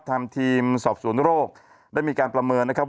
ทีมสอบสวนโรคได้มีการประเมินนะครับ